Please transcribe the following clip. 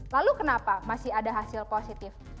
lalu kenapa masih ada hasil positif